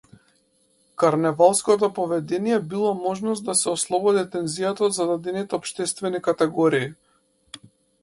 Карневалското поведение било можност да се ослободи тензијата од зададените општествени категории.